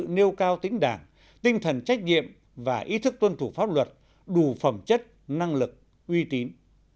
nêu cao tính đảng tinh thần trách nhiệm và ý thức tuân thủ pháp luật đủ phẩm chất năng lực uy tín